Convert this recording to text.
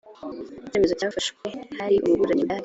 icyemezo cyafashwe hari umuburanyi udahari